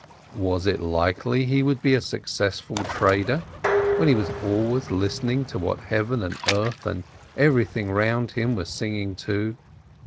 Was it likely he would be a successful trader, when he was always listening to what Heaven and earth and everything around him were singing, too